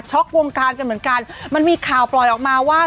วงการกันเหมือนกันมันมีข่าวปล่อยออกมาว่า